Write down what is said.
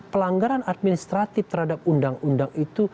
pelanggaran administratif terhadap undang undang itu